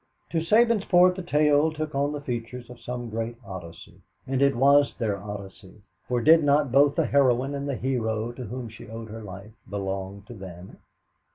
To Sabinsport the tale took on the features of some great Odyssey, and it was their Odyssey, for did not both the heroine and the hero to whom she owed her life belong to them?